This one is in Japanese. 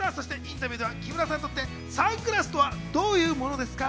そしてインタビューでは木村さんにとってサングラスとはどういうものですか？